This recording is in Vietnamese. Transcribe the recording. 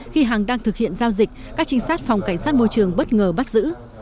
khi hằng đang thực hiện giao dịch các trinh sát phòng cảnh sát môi trường bất ngờ bắt giữ